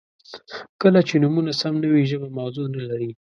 • کله چې نومونه سم نه وي، ژبه موضوع نهلري.